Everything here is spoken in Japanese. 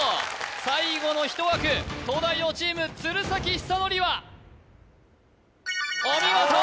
最後の１枠東大王チーム鶴崎修功はお見事！